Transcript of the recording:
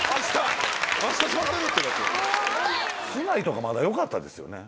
竹刀とかまだよかったですよね。